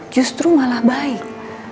justru malah baik